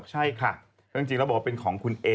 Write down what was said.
ใช่ค่ะก็จริงแล้วบอกว่าเป็นของคุณเอ